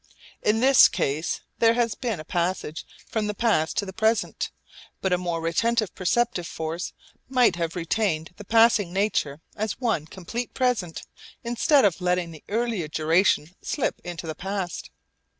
In this case there has been a passage from the past to the present, but a more retentive perceptive force might have retained the passing nature as one complete present instead of letting the earlier duration slip into the past.